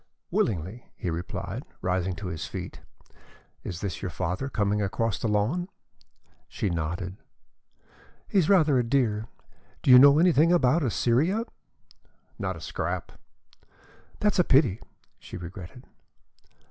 "Willingly," he replied, rising to his feet. "Is this your father coming across the lawn?" She nodded. "He's rather a dear. Do you know anything about Assyria?" "Not a scrap." "That's a pity," she regretted.